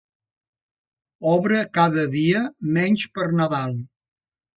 Obre cada dia, menys per Nadal.